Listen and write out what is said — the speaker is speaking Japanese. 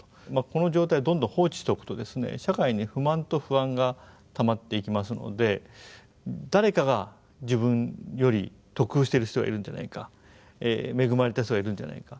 この状態をどんどん放置しておくと社会に不満と不安がたまっていきますので誰かが自分より得をしてる人がいるんじゃないか恵まれた人がいるんじゃないか。